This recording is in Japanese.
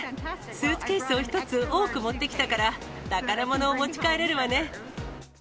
スーツケースを１つ多く持ってきたから、宝物を持ち帰れるわね。